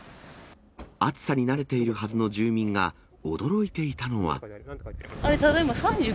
暑さに慣れているはずの住民が驚いていたのは。